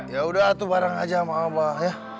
ya udah tuh bareng aja sama abah ya